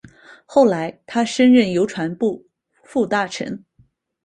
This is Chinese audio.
后来他升任邮传部副大臣。